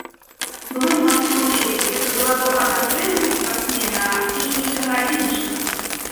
Было немагчыма выявіць, гэта была проба канкрэтнага спартсмена ці некага іншага.